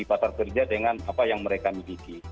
di pasar kerja dengan apa yang mereka miliki